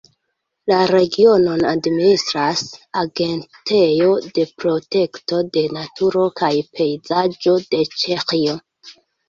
La regionon administras Agentejo de protekto de naturo kaj pejzaĝo de Ĉeĥio.